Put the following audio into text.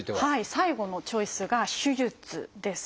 最後のチョイスが「手術」です。